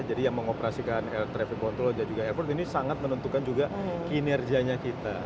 jadi yang mengoperasikan air traffic control dan juga airport ini sangat menentukan juga kinerjanya kita